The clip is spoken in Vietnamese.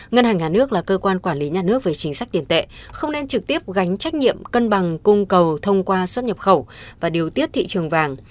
ngân hàng nhà nước là cơ quan quản lý nhà nước về chính sách tiền tệ không nên trực tiếp gánh trách nhiệm cân bằng cung cầu thông qua xuất nhập khẩu và điều tiết thị trường vàng